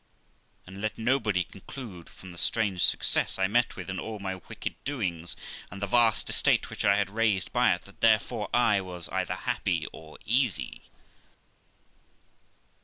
And let nobody conclude from the strange success I met with in all my wicked doings, and the vast estate which I had raised by it, that therefore I either was happy or easy.